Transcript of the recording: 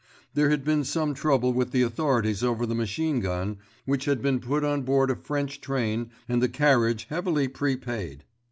There had been some trouble with the Authorities over the machine gun, which had been put on board a French train and the carriage heavily prepaid.